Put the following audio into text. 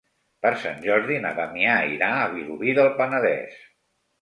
Per Sant Jordi na Damià irà a Vilobí del Penedès.